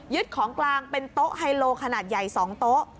ของกลางเป็นโต๊ะไฮโลขนาดใหญ่๒โต๊ะ